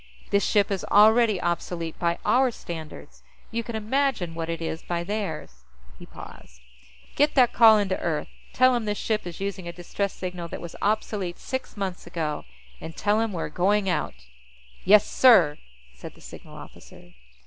This ship is already obsolete by our standards; you can imagine what it is by theirs." He paused. "Get that call in to Earth. Tell 'em this ship is using a distress signal that was obsolete six months ago. And tell 'em we're going out." "Yes, sir," said the signal officer.